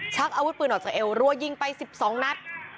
ชักอาวุธปืนออกจากเอวรัวยิงไป๑๒นัด